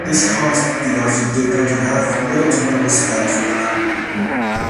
This caused the Aussie Digger to have little to no respect for them.